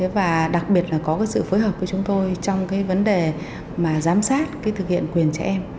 và đặc biệt là có cái sự phối hợp với chúng tôi trong cái vấn đề mà giám sát cái thực hiện quyền trẻ em